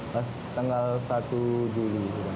pas tanggal satu juli